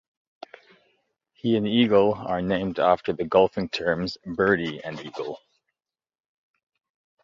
He and Eagle are named after the golfing terms Birdie and Eagle.